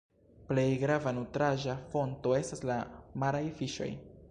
Plej grava nutraĵa fonto estas la maraj fiŝoj.